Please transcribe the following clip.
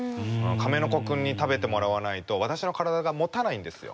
カメノコ君に食べてもらわないと私の体がもたないんですよ。